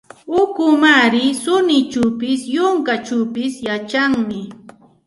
Ukumaari suninchawpis, yunkachawpis yachanmi.